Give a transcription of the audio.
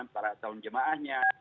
para caun jamaahnya